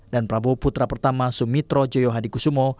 dan prabowo putra pertama sumitro joyohadikusungo